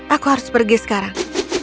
aku harus pergi sekarang